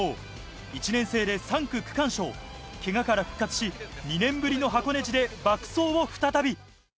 １年生で３区区間賞、けがから復活し、２年ぶりの箱根路で爆走を再び。